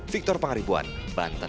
victor pangaripuan banten